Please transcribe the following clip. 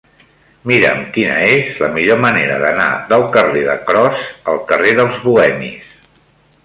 Mira'm quina és la millor manera d'anar del carrer de Cros al carrer dels Bohemis.